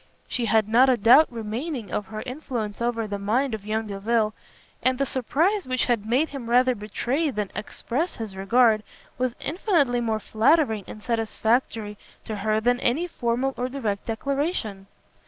She had not a doubt remaining of her influence over the mind of young Delvile, and the surprise which had made him rather betray than express his regard, was infinitely more flattering and satisfactory to her than any formal or direct declaration.